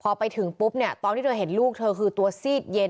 พอไปถึงปุ๊บเนี่ยตอนที่เธอเห็นลูกเธอคือตัวซีดเย็น